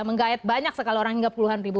menggayat banyak sekali orang hingga puluhan ribu